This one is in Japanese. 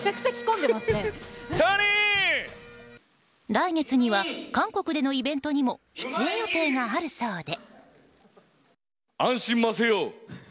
来月には韓国でのイベントにも出演予定があるそうで。